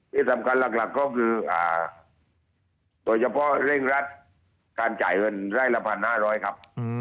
ที่สำคัญหลักก็คือโดยเฉพาะเร่งรัดการจ่ายเงินไร่ละ๑๕๐๐ครับ